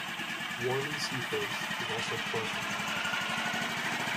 Worli Seaface is also close from here.